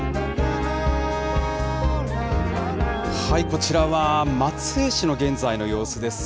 こちらは松江市の現在の様子です。